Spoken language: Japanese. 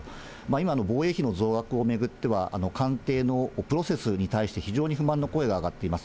今、防衛費の増額を巡っては、官邸のプロセスに対して非常に不満の声が上がっています。